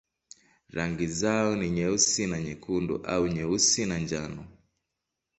Rangi zao ni nyeusi na nyekundu au nyeusi na njano.